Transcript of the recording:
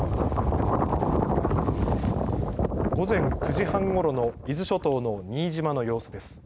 午前９時半ごろの伊豆諸島の新島の様子です。